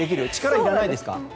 いらないですよ。